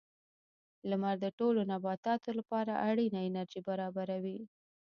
• لمر د ټولو نباتاتو لپاره اړینه انرژي برابروي.